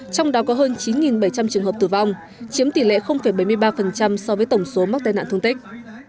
trong đó có hơn chín bảy trăm linh trường hợp tử vong chiếm tỷ lệ bảy mươi ba so với tổng số mắc tai nạn thương tích